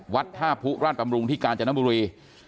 วัดธาพบุราชบำลุงที่กานเจนมาบุรี